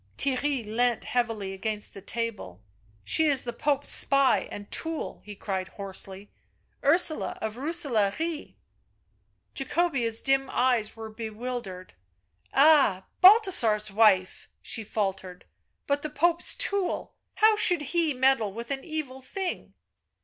Theirry leant heavily against the table. " She is the Pope's spy and tool," he cried hoarsely. " Ursula of Rooselaare !" Jacobea's dim eyes were bewildered. " Ah, Bal thasar's wife," she faltered, " but the Pope's tool — how should he meddle with an evil thing?"